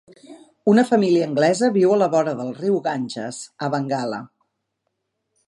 Una família anglesa viu a la vora del riu Ganges, a Bengala.